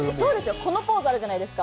このポーズあるじゃないですか。